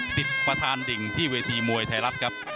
ประธานดิ่งที่เวทีมวยไทยรัฐครับ